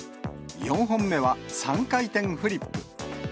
４本目は３回転フリップ。